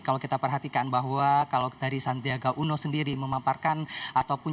kalau kita perhatikan bahwa kalau dari sandiaga uno sendiri memaparkan ataupun